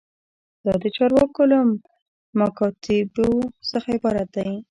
دا د چارواکو له مکاتیبو څخه عبارت دی.